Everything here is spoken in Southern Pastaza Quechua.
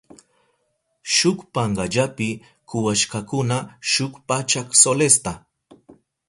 Shuk pankallapi kuwashkakuna shuk pachak solesta.